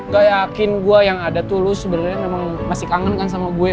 gak yakin gua yang ada tuh lo sebenernya emang masih kangen kan sama gue